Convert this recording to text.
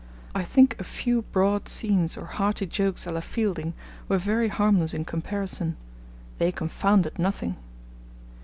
I think a few broad scenes or hearty jokes a la Fielding were very harmless in comparison. They confounded nothing.